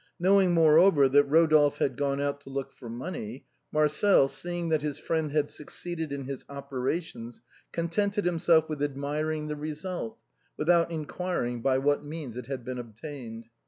Knowing, moreover, that Rodolphe had gone out to look for money. Marcel, seeing that his friend had succeeded in his operations, contented himself with admiring the result, without inquiring by what means it had been obtained.